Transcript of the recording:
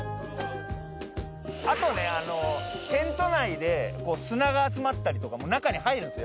あとねテント内で砂が集まったりとか中に入るんですよ。